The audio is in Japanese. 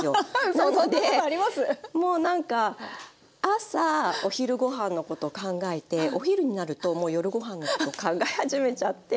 なのでもうなんか朝お昼ご飯のこと考えてお昼になるともう夜ご飯のこと考え始めちゃって。